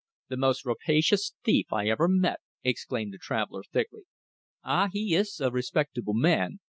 "The most rapacious thief I ever met!" exclaimed the traveller, thickly. "Ah! He is a respectable man.